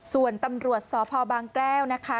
ส่วนตำรวจสพบางแก้วนะคะ